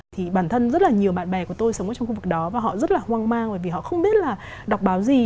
thì bản thân rất là nhiều bạn bè của tôi sống ở trong khu vực đó và họ rất là hoang mang bởi vì họ không biết là đọc báo gì